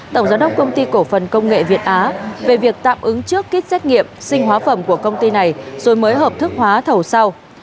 tổng giám đốc công ty cổ phần công nghệ việt á về việc tạm ứng trước kýt xét nghiệm sinh hóa phẩm của công ty này rồi mới hợp thức hóa thầu sau